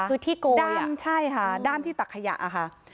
คือที่โกยด้ามที่ตักขยะค่ะ